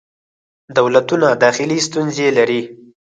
دولتونه داخلې ستونزې لري.